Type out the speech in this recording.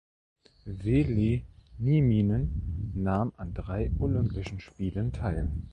Veli Nieminen nahm an drei Olympischen Spielen teil.